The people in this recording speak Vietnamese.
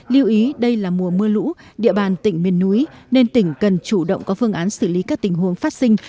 lưu ý đây là mùa mưa lũ địa bàn tỉnh miền núi nên tỉnh cần chủ động có phương án xử lý các tình huống phát sinh